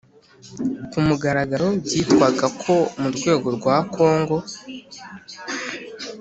ku mugaragaro byitwaga ko mu rwego rwa congo,